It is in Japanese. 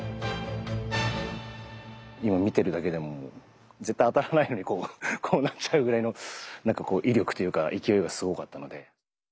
今見てるだけでも絶対当たらないのにこうなっちゃうぐらいのなんかこう威力というか勢いがすごかったので。